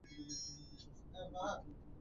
ফলশ্রুতিতে ব্যক্তি উদ্যোগে ক্লাব গড়ে উঠে।